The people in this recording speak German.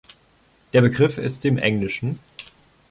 Der Begriff ist dem engl.